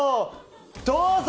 どうぞ。